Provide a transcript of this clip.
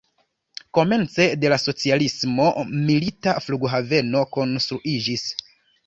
Komence de la socialismo milita flughaveno konstruiĝis.